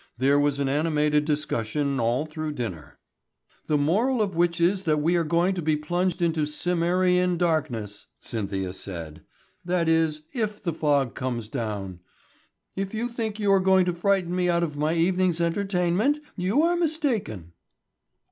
There was an animated discussion all through dinner. "The moral of which is that we are going to be plunged into Cimmerian darkness," Cynthia said, "that is, if the fog comes down. If you think you are going to frighten me out of my evening's entertainment you are mistaken."